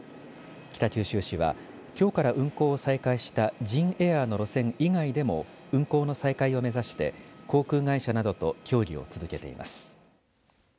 北九州市はきょうから運航を再開したジンエアーの路線以外でも運航の再開を目指して航空会社などと協議を続けています。